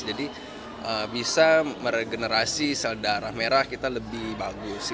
jadi bisa meregenerasi sel darah merah kita lebih bagus